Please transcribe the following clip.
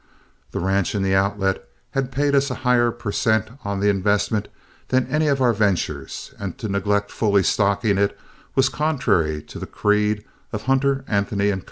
The ranch in the Outlet had paid us a higher per cent on the investment than any of our ventures, and to neglect fully stocking it was contrary to the creed of Hunter, Anthony & Co.